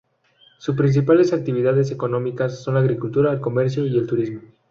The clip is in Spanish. Sus principales actividades económicas son la agricultura, el comercio y el turismo.